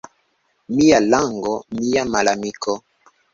Mia lango — mia malamiko.